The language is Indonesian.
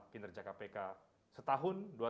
kinerja kpk setahun dua